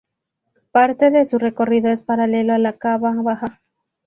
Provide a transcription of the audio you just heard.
Parte de su recorrido es paralelo a la Cava Baja.